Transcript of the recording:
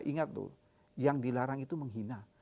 ingat tuh yang dilarang itu menghina